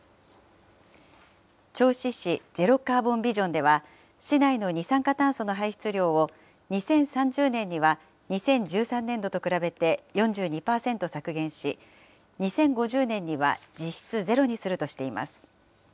銚子市ゼロカーボンビジョンでは、市内の二酸化炭素の排出量を、２０３０年には２０１３年度と比べて４２％削減し、２０５０年には実質ゼロにするとしています。